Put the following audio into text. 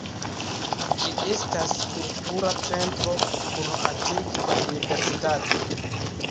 Ĝi estas kultura centro kun antikva universitato.